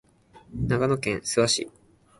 長野県諏訪市